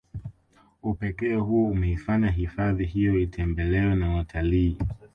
Upekee huo umeifanya hifahdi hiyo itembelewe na watalii